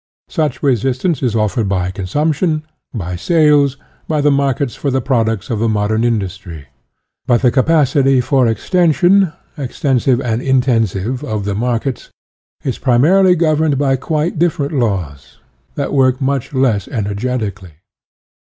Such resistance is offered by consumption, by UTOPIAN AND SCIENTIFIC IIS sales, by the markets for the products of modern industry. But the capacity for ex tension, extensive and intensive, of the markets is primarily governed by quite dif ferent laws, that work much less energet ically.